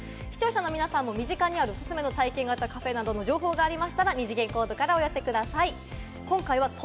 視聴者の皆さんも身近にある、おすすめの体験型カフェなどの情報がありましたら二次元コードからお寄せください。